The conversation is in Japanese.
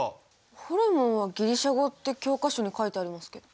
ホルモンはギリシャ語って教科書に書いてありますけど。